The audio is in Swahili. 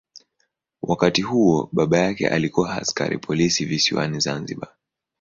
Wakati huo baba yake alikuwa askari polisi visiwani Zanzibar.